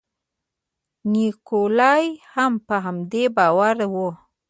نیکولای هم په همدې باور و.